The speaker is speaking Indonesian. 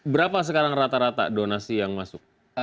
berapa sekarang rata rata donasi yang masuk